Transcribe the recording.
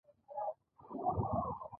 د شهادت په بیه لار او منزل په نښه کړ.